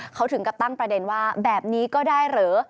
เขาถึงกับตั้งประเด็นว่าแบบนี้ก็ได้เหรอ